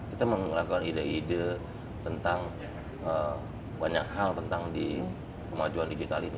kita melakukan ide ide tentang banyak hal tentang di kemajuan digital ini